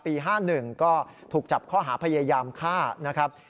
๕๑ก็ถูกจับข้อหาพยายามฆ่านะครับ